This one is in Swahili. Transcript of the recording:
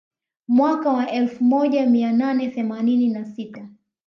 Mwaka wa elfu moja mia nane themanini na sita